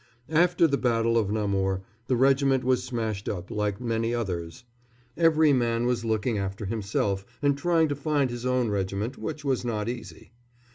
After the battle of Namur the regiment was smashed up, like many others. Every man was looking after himself and trying to find his own regiment, which was not easy.